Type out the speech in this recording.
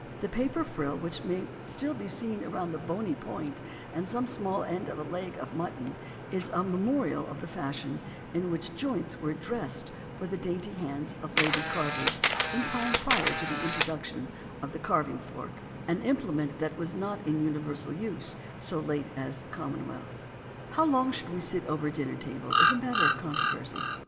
The paper frill which may still be seen round the bony point and small end of a leg of mutton, is a memorial of the fashion in which joints were dressed for the dainty hands of lady carvers, in time prior to the introduction of the carving fork, an implement that was not in universal use so late as the Commonwealth." How long we should sit over the dinner table is a matter of controversy.